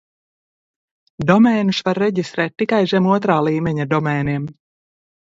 Domēnus var reģistrēt tikai zem otrā līmeņa domēniem.